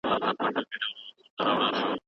اوس به میسینه مجومه د مالیدې راوړي